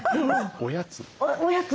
おやつ？